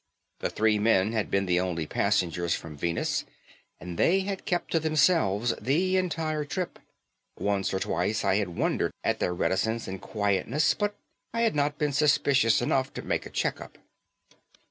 The three men had been the only passengers from Venus and they had kept to themselves the entire trip. Once or twice I had wondered at their reticence and quietness but I had not been suspicious enough to make a check up.